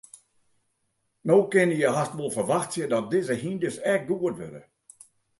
No kinne je hast wol ferwachtsje dat dizze hynders ek goed wurde.